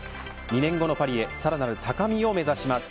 ２年後のパリへさらなる高みを目指します。